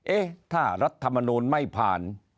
เอ๊ะถ้ารัฐมนูลไม่ผ่าน